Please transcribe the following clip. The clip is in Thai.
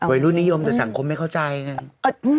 รุ่นนิยมแต่สังคมไม่เข้าใจไง